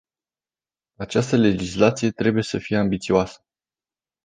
Această legislație trebuie să fie ambițioasă.